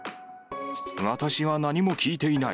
私は何も聞いていない。